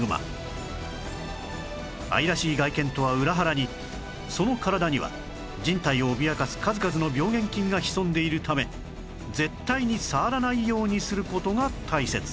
愛らしい外見とは裏腹にその体には人体を脅かす数々の病原菌が潜んでいるため絶対に触らないようにする事が大切